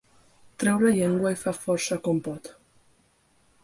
Treu la llengua i fa força com pot.